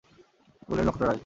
বলিলেন, নক্ষত্ররায়!